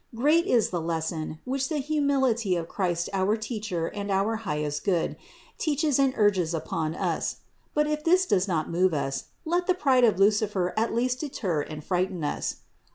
Great is the lesson, which the humility of Christ, our Teacher and our highest Good, teaches and urges upon us : but if this does not move us, let the pride of Lucifer at least deter and frighten us.